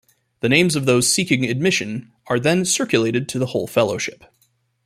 The names of those seeking admission are then circulated to the whole Fellowship.